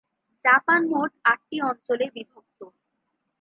Japan মোট আটটি অঞ্চলে বিভক্ত।